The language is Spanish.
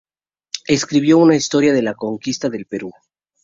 Escribió una historia de la conquista del Perú.